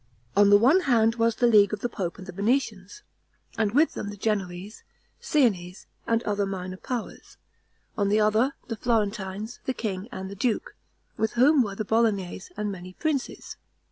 On the one hand, was the league of the pope and the Venetians, and with them the Genoese, Siennese, and other minor powers; on the other, the Florentines, the king, and the duke, with whom were the Bolognese and many princes.